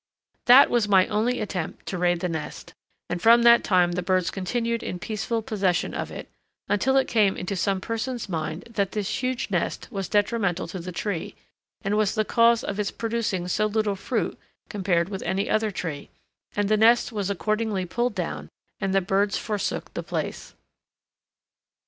That was my only attempt to raid the nest, and from that time the birds continued in peaceful possession of it, until it came into some person's mind that this huge nest was detrimental to the tree, and was the cause of its producing so little fruit compared with any other tree, and the nest was accordingly pulled down, and the birds forsook the place.